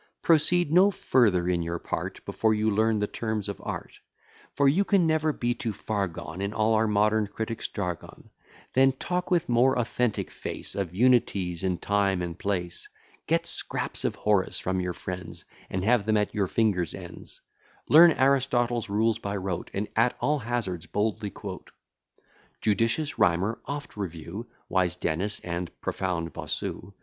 Proceed no further in your part, Before you learn the terms of art; For you can never be too far gone In all our modern critics' jargon: Then talk with more authentic face Of unities, in time and place: Get scraps of Horace from your friends, And have them at your fingers' ends; Learn Aristotle's rules by rote, And at all hazards boldly quote; Judicious Rymer oft review, Wise Dennis, and profound Bossu.